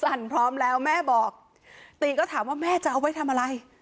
สั่นพร้อมแล้วแม่บอกตีก็ถามว่าแม่จะเอาไว้ทำอะไร